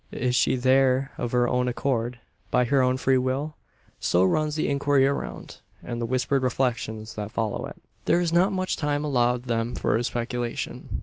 Is she there of her own accord by her own free will? So runs the inquiry around, and the whispered reflections that follow it. There is not much time allowed them for speculation.